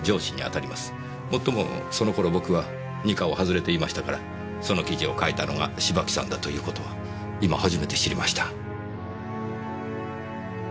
もっともその頃僕は二課を外れていましたからその記事を書いたのが芝木さんだという事は今初めて知りました。